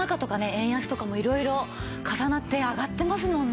円安とかも色々重なって上がってますもんね。